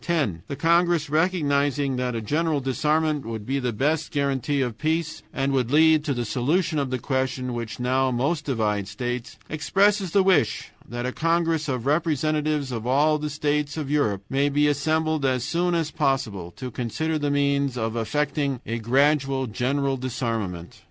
"10. The congress, recognizing that a general disarmament would be the best guarantee of peace and would lead to the solution of the questions which now most divide states, expresses the wish that a congress of representatives of all the states of Europe may be assembled as soon as possible to consider the means of effecting a gradual general disarmament.